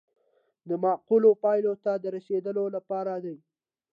دا معقولو پایلو ته د رسیدو لپاره دی.